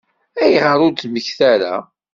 Ayɣer ur d-temmekta ara?